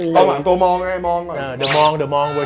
กล้องหลังตัวมองเงี่ย